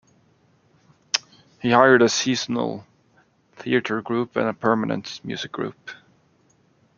He hired a seasonal theater group and a permanent music group.